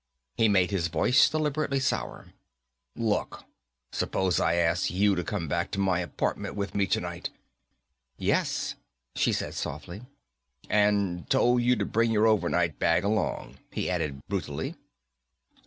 He made his voice deliberately sour. "Look, suppose I asked you to come back to my apartment with me tonight?" "Yes," she said softly. "And told you to bring your overnight bag along," he added brutally.